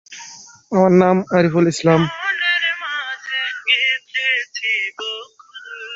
এখানে উচ্চ মাধ্যমিক, ডিগ্রি পাশ, স্নাতক ডিগ্রি পড়ার ব্যবস্থা আছে।